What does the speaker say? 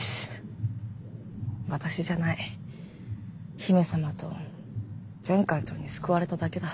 私じゃない姫様と前艦長に救われただけだ。